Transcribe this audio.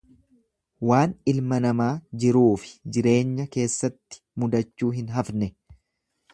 Waan ilma namaa jiruufi jireenya keessatti mudachuu hin hafne.